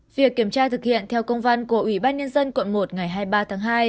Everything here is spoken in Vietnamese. việc kiểm tra thực hiện theo công văn của ủy ban nhân dân quận một ngày hai mươi ba tháng hai